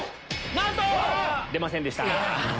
なんと‼出ませんでした。